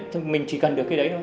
thì mình chỉ cần được cái đấy thôi